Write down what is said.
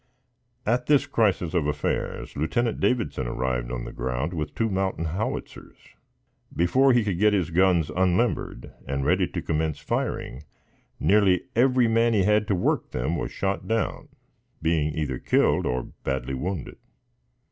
At this crisis of affairs, Lieutenant Davidson arrived on the ground with two mountain howitzers. Before he could get his guns unlimbered and ready to commence firing, nearly every man he had to work them was shot down, being either killed or badly wounded.